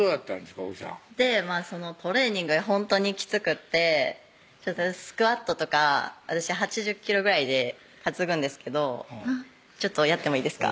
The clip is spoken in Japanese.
奥さんトレーニングほんとにきつくってスクワットとか８０ｋｇぐらいで担ぐんですけどちょっとやってもいいですか？